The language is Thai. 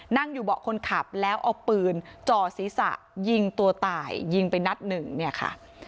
นั่งอยู่เบาะคนขับแล้วเอาปืนจ่อศีรษะยิงตัวตายยิงไปนัดหนึ่งเนี่ยค่ะ